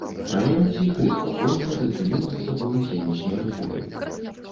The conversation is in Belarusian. А ён ціха і спакойна зачыніў за сабою сенечныя дзверы.